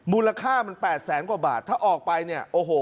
มูลค่ามัน๘แสนกว่าบาทถ้าออกไปเนี่ยโอ้โห